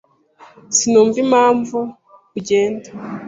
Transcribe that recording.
Sinumva impamvu ugenda.